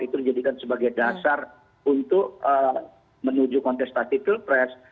itu dijadikan sebagai dasar untuk menuju kontestasi pilpres